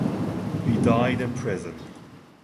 He died in prison.